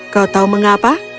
kau tahu mengapa